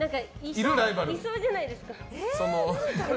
でもいそうじゃないですか。